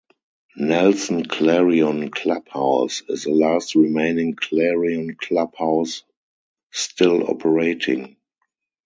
Nelson Clarion Club House is the last remaining Clarion Club House still operating.